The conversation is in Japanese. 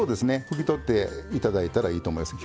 拭き取って頂いたらいいと思います。